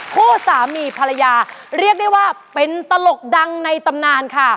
คู่สามีภรรยาเรียกได้ว่าเป็นตลกดังในตำนานค่ะ